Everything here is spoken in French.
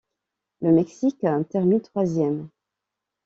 Le Mexique termine troisième.